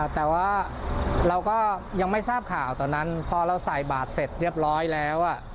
แต่ว่าเราก็ยังไม่ทราบข่าวตอนนั้นพอเราใส่บาทเสร็จเรียบร้อยแล้ว